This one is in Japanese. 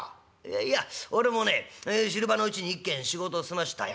「いやいや俺もね昼間のうちに１軒仕事を済ましたよ。